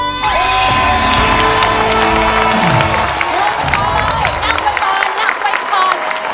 นั่งไปตอนนั่งไปตอน